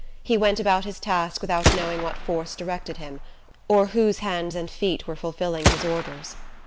He went about his task without knowing what force directed him, or whose hands and feet were fulfilling its orders.